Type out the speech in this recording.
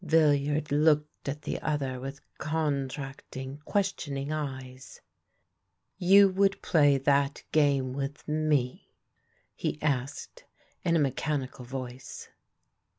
Villiard looked at the other with contracting, ques tioning eyes. " You would play that game with me?" he asked in a mechanical voice.